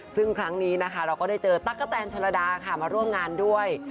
ซึ่งครั้งนี้นะคะเราก็ได้เจอตั๊กกะแตนชนระดาค่ะมาร่วมงานด้วย